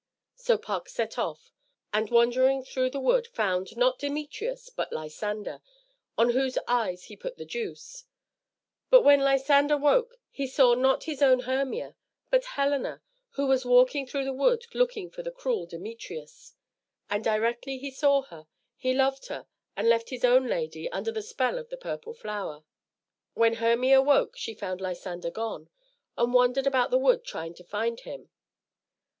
So Puck set off, and wandering through the wood found, not Demetrius, but Lysander, on whose eyes he put the juice; but when Lysander woke, he saw not his own Hermia, but Helena, who was walking through the wood looking for the cruel Demetrius; and directly he saw her he loved her and left his own lady, under the spell of the purple flower. When Hermia woke she found Lysander gone, and wandered about the wood trying to find him.